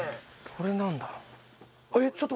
「これなんだろう？」